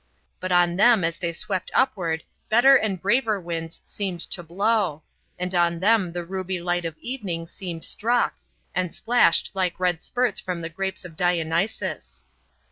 But on them as they swept upward better and braver winds seemed to blow, and on them the ruby light of evening seemed struck, and splashed like red spurts from the grapes of Dionysus.